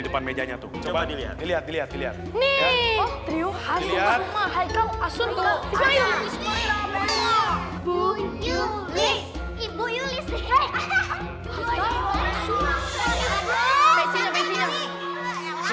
depan mejanya tuh coba dilihat dilihat dilihat nih triuh asuma hai kau asyik